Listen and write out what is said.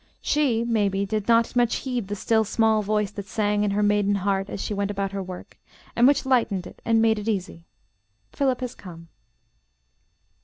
She, may be, did not much heed the still small voice that sang in her maiden heart as she went about her work, and which lightened it and made it easy, "Philip has come."